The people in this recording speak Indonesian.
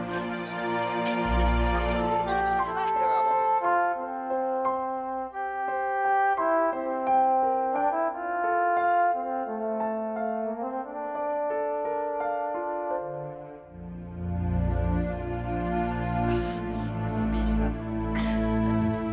komitmen mu trabalhar